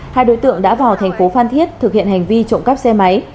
hai đối tượng đã vào thành phố phan thiết thực hiện hành vi trộm cắp xe máy